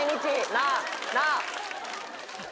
なあなあ。